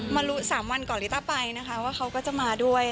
มารู้๓วันก่อนลิต้าไปนะคะว่าเขาก็จะมาด้วย